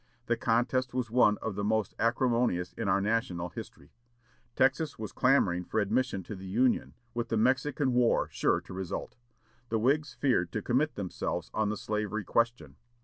The contest was one of the most acrimonious in our national history. Texas was clamoring for admission to the Union, with the Mexican War sure to result. The Whigs feared to commit themselves on the slavery question.